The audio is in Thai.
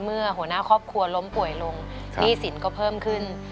หัวหน้าครอบครัวล้มป่วยลงหนี้สินก็เพิ่มขึ้น